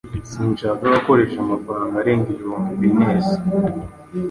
Sinshaka gukoresha amafaranga arenga ibihumbi bines